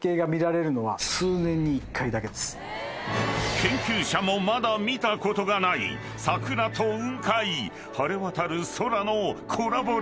［研究者もまだ見たことがない桜と雲海晴れ渡る空のコラボレーション］